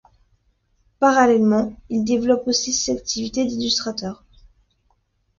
Parallèlement, il développe aussi ses activités d'illustrateur.